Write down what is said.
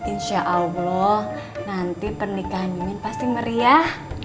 insyaallah nanti pernikahan ini pasti meriah